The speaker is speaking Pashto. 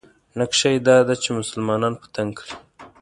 نقشه یې دا ده چې مسلمانان په تنګ کړي.